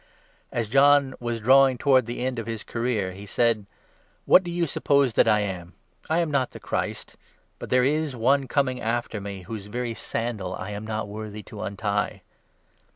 As John was drawing towards the end of 25 his career, he said ' What do you suppose that I am ? I am not the Christ. But there is '' One Coming " after me, whose very sandal I am not worthy to untie.'